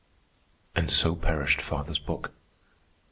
And so perished father's book.